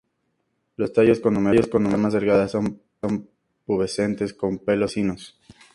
Los tallos con numerosas ramas delgadas, son pubescentes con pelos blanquecinos.